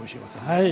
はい。